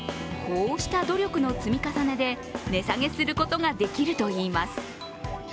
こうした努力の積み重ねで値下げすることができるといいます。